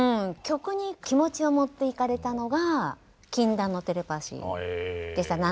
曲に気持ちを持っていかれたのは「禁断のテレパシー」でしたね。